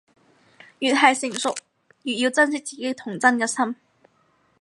越係成熟，越要珍惜自己童真嘅心